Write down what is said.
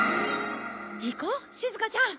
行こうしずかちゃん。